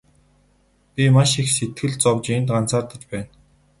Би маш их сэтгэл зовж энд ганцаардаж байна.